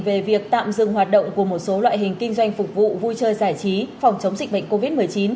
về việc tạm dừng hoạt động của một số loại hình kinh doanh phục vụ vui chơi giải trí phòng chống dịch bệnh covid một mươi chín